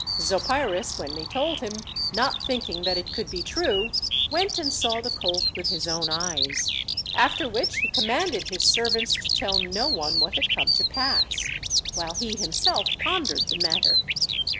Zopy rus, when they told him, not thinking that it could be true, went and saw the colt with his own eyes; after which he commanded his servants to tell no one what had come to pass, while he himself pondered the matter.